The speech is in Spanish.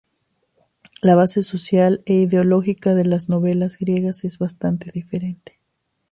La base social e ideológica de las novelas griegas es bastante diferente.